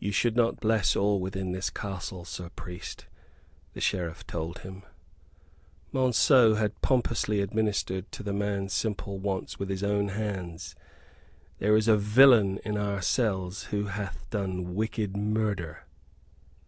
"You should not bless all within this castle, Sir Priest," the Sheriff told him. Monceux had pompously administered to the man's simple wants with his own hands. "There is a villain in our cells who hath done wicked murder."